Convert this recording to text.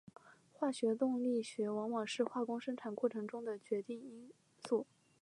化学动力学往往是化工生产过程中的决定性因素。